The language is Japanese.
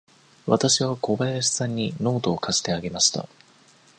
わたしは小林さんにノートを貸してあげました。